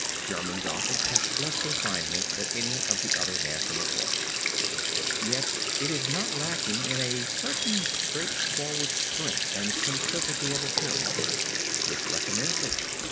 German Gothic has less refinement than any of the other national forms, yet it is not lacking in a certain straightforward strength and simplicity of appearance, which recommends it.